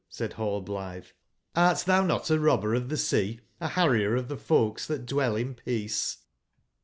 said nail blithe; ''art thou not a robber of the sea, a harrier of the folks that dwell in peace?"